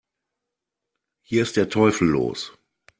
Hier ist der Teufel los!